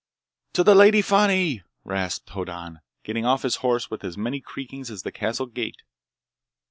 "To the Lady Fani!" rasped Hoddan, getting off his horse with as many creakings as the castle gate.